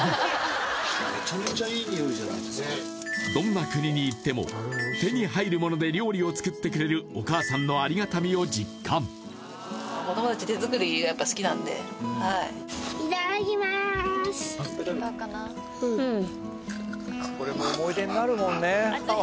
どんな国に行っても手に入るもので料理を作ってくれるお母さんのありがたみを実感うんうん